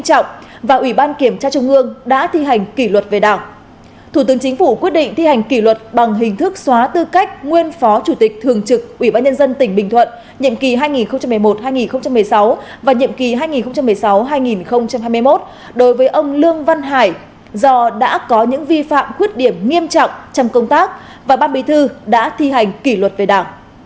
trong các quyết định thủ tướng chính phủ quyết định thi hành kỷ luật xóa tư cách nguyên chủ tịch ubnd tỉnh bình thuận nhiệm kỳ hai nghìn một mươi một hai nghìn một mươi sáu và hai nghìn một mươi sáu hai nghìn hai mươi một đối với ông lương văn hải do đã có vi phạm khuyết điểm nghiêm trọng trong công tác và ban bí thư đã thi hành kỷ luật về đảng